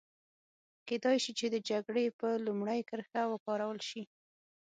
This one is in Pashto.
کېدای شي چې د جګړې په لومړۍ کرښه وکارول شي.